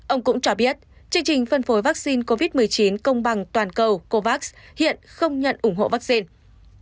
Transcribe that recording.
ông cũng cho biết chương trình phân phối vaccine covid một mươi chín công bằng toàn cầu covax hiện không nhận ủng hộ vaccine